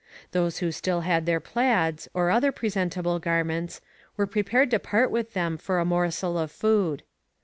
Those who still had their plaids, or other presentable garments, were prepared to part with them for a morsel of food.